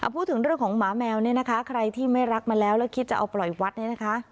พูดถึงเรื่องของหมาแมวเนี่ยนะคะใครที่ไม่รักมาแล้วแล้วคิดจะเอาปล่อยวัดเนี่ยนะคะ